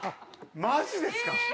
マジですか？